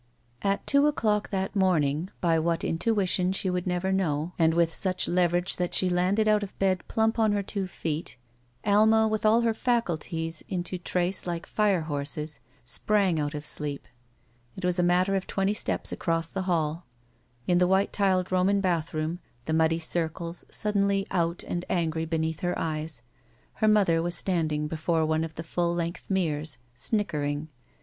At two o'clock that morning, by what intuition she would never know, and with such leverage that she landed out of bed plump on her two feet. Alma, with all her faculties into trace like fire horses, sprang out of sleep. It was a matter of twenty steps across the hall. In the white tiled Roman bathroom, the muddy circles suddenly out and angry beneath her eyes, her mother was standing before one of the full length mirrors — snickering.